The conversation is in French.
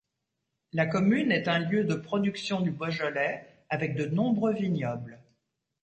La commune est un lieu de production du Beaujolais, avec de nombreux vignobles.